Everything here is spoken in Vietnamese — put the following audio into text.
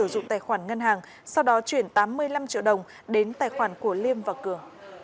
liêm đã truyền tài khoản ngân hàng sau đó chuyển tám mươi năm triệu đồng đến tài khoản của liêm vào cửa